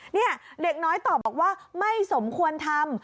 นี่เด็กน้อยตอบบอกว่าไม่สมควรทำ